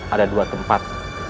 ada dua tempat